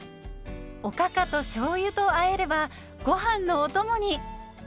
おかかとしょうゆとあえればごはんのおともに。